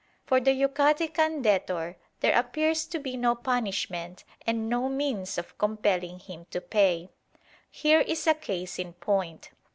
For the Yucatecan debtor there appears to be no punishment and no means of compelling him to pay. Here is a case in point.